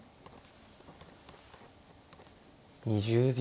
２０秒。